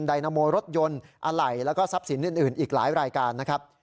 นาโมรถยนต์อะไหล่แล้วก็ทรัพย์สินอื่นอีกหลายรายการนะครับ